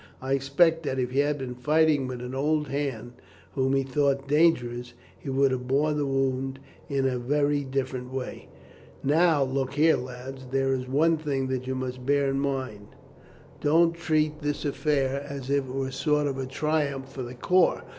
I expect that if he had been fighting with an old hand whom he thought dangerous, he would have borne the wound in a very different way. Now, look here, lads, there is one thing that you must bear in mind. Don't treat this affair as if it were a sort of triumph for the corps.